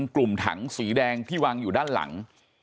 กลุ่มถังสีแดงที่วางอยู่ด้านหลัง